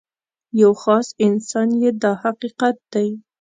یو خاص انسان یې دا حقیقت دی.